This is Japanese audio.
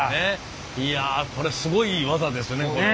いやこれすごい技ですね。